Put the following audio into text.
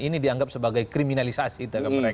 ini dianggap sebagai kriminalisasi